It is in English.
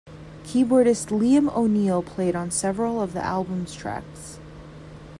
Keyboardist Liam O'Neil played on several of the album's tracks.